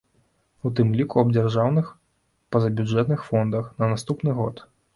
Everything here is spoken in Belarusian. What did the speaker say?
У тым ліку аб дзяржаўных пазабюджэтных фондах на наступны год.